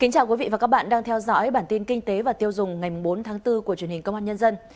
chào mừng quý vị đến với bản tin kinh tế và tiêu dùng ngày bốn tháng bốn của truyền hình công an nhân dân